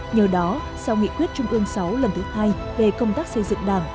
nhờ đó sau nghị quyết trung ương sáu lần thứ hai về công tác xây dựng đảng